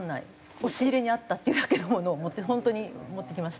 押し入れにあったっていうだけのものを本当に持ってきました。